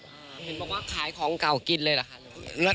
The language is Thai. เห็นบอกว่าขายของเก่ากินเลยเหรอคะ